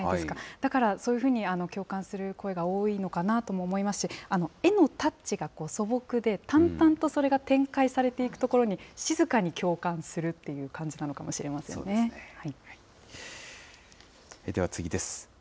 だからそういうふうに共感する声が多いのかなとも思いますし、絵のタッチが素朴で、淡々とそれが展開されていく静かに共感するっていう感じなのかもでは次です。